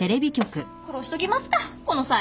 殺しときますかこの際。